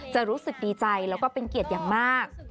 รู้สึกดีใจแล้วก็เป็นเกียรติอย่างมาก